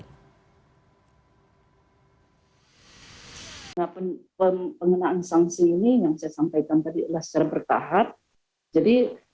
nah pengenaan sanksi ini yang saya sampaikan tadi adalah secara bertahap jadi